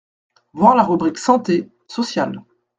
Voir la rubrique santé, social.